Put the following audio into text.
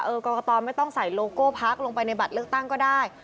กรกตไม่ต้องใส่โลโก้พักลงไปในบัตรเลือกตั้งก็ได้